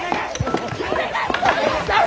お願い！